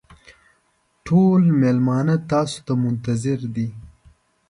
ټول مېلمانه تاسو ته منتظر دي.